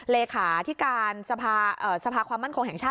เลขาที่การสภาความมั่นคงแห่งชาติ